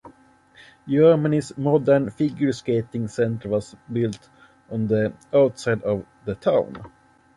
Germany's modern figure skating center was built on the outside of the town.